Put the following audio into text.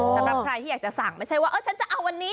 สำหรับใครที่อยากจะสั่งไม่ใช่ว่าเออฉันจะเอาวันนี้